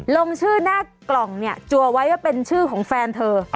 ลงชื่อหน้ากล่องเนี่ยจัวไว้ว่าเป็นชื่อของแฟนเธอ